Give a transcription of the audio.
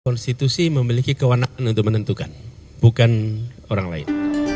konstitusi memiliki kewenangan untuk menentukan bukan orang lain